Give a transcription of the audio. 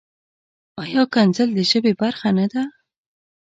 ایا کنځل د ژبې برخه نۀ ده؟